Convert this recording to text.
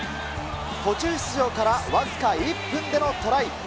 途中出場から僅か１分でのトライ。